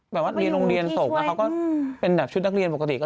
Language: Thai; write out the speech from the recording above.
แบบว่าเรียนโรงเรียนโศกนะเขาก็